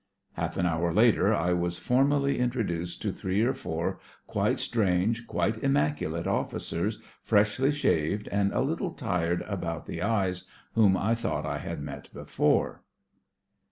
Half an hour later I was formally in troduced to three or four quite strange, quite immaculate oflBcers, freshly shaved, and a little tired about the eyes, whom I thought I had met before.